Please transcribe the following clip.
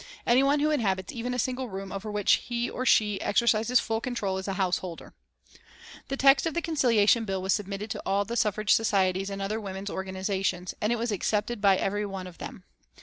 Any one who inhabits even a single room over which he or she exercises full control is a householder. The text of the Conciliation Bill was submitted to all the suffrage societies and other women's organisations, and it was accepted by every one of them.